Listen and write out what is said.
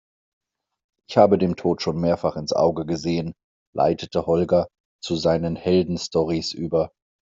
Ich habe dem Tod schon mehrfach ins Auge gesehen, leitete Holger zu seinen Heldenstorys über.